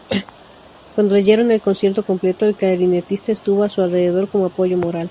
Cuando leyeron el concierto completo, el clarinetista estuvo a su alrededor como apoyo moral.